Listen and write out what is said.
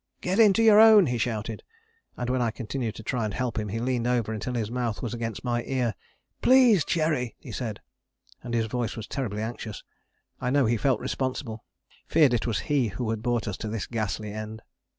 "Get into your own," he shouted, and when I continued to try and help him, he leaned over until his mouth was against my ear. "Please, Cherry," he said, and his voice was terribly anxious. I know he felt responsible: feared it was he who had brought us to this ghastly end.